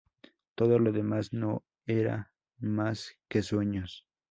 Todo lo demás no eran más que sueños.